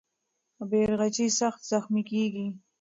بیرغچی سخت زخمي کېږي.